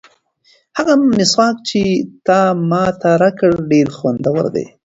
هغه مسواک چې تا ماته راکړ ډېر خوندور دی.